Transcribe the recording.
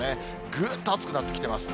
ぐーっと暑くなってきてます。